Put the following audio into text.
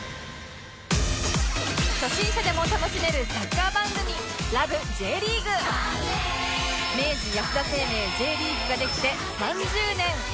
初心者でも楽しめるサッカー番組明治安田生命 Ｊ リーグができて３０年！